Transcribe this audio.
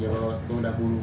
itu udah bulukan